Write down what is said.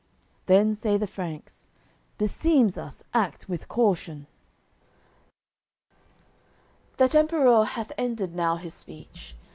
Then say the Franks: "Beseems us act with caution!" AOI. XIV That Emperour hath ended now his speech.